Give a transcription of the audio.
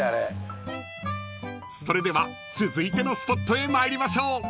［それでは続いてのスポットへ参りましょう］